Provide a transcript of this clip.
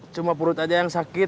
cuma perut aja yang sakit